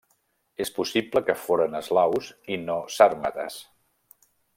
És possible que foren eslaus i no sàrmates.